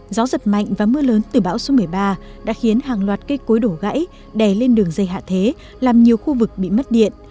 gió giật mạnh và mưa lớn từ bão số một mươi ba đã khiến hàng loạt cây cối đổ gãy đè lên đường dây hạ thế làm nhiều khu vực bị mất điện